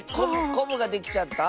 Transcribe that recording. こぶができちゃった？